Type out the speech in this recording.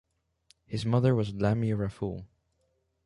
His mother was Lamia Raffoul.